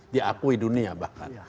diakui dunia bahkan